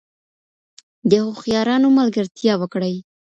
د هوښیارانو ملګرتیا وکړئ.